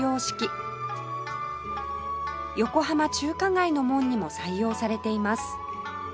横浜中華街の門にも採用されています